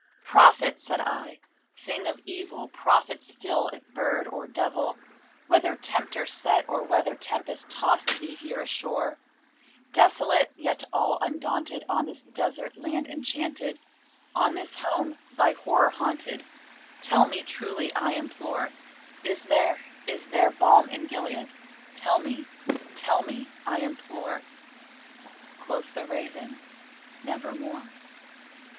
"Prophet!" said I, "thing of evil! prophet still, if bird or devil! Whether Tempter sent, or whether tempest tossed thee here ashore, Desolate yet all undaunted, on this desert land enchanted On this home by Horror haunted tell me truly, I implore Is there is there balm in Gilead? tell me tell me, I implore!" Quoth the Raven, "Nevermore."